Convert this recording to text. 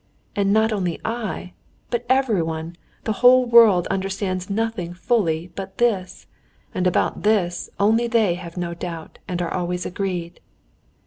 And not only I, but everyone, the whole world understands nothing fully but this, and about this only they have no doubt and are always agreed.